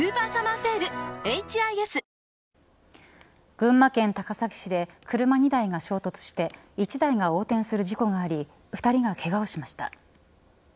群馬県高崎市で車２台が衝突して１台が横転する事故があり２人がけがをしました。